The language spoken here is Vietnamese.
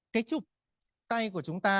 cái trục tay của chúng ta